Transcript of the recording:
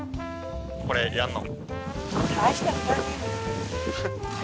これやるの。